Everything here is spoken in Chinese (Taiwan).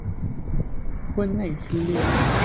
婚內失戀